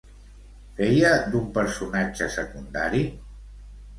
Feia d'un personatge secundari?